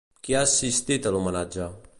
Qui ha assistit a l'homenatge?